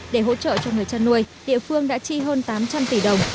để hỗ trợ cho người chăn nuôi địa phương đã chi hơn tám trăm linh tỷ đồng